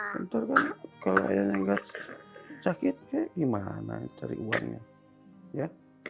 bentar kan kalau yang enggak sakit kayak gimana cari uangnya ya